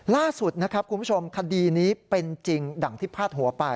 ล่าสุดนะครับคุณผู้ชมคดีนี้เป็นจริงดังที่พาดหัวไป